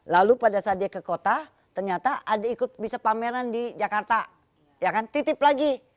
lalu pada saat dia ke kota ternyata ada ikut bisa pameran di jakarta ya kan titip lagi